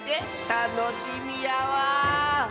たのしみやわ。